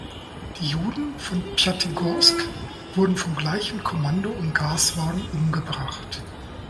Die Juden von Pjatigorsk wurden vom gleichen Kommando im Gaswagen umgebracht.